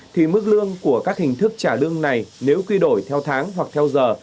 thì mức lương của các hình thức trả lương này nếu quy đổi theo tháng hoặc theo giờ